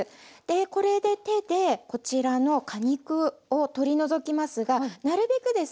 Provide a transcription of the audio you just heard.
これで手でこちらの果肉を取り除きますがなるべくです